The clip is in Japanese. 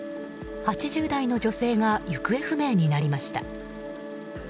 ８０代の女性が行方不明になりました。